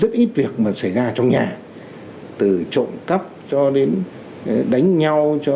rất ít việc mà xảy ra trong nhà từ trộm cắp cho đến đánh nhau